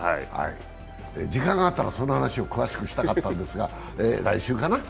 時間があったらその話をしたかったんですが来週かな？